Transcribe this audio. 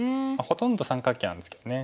ほとんど三角形なんですけどね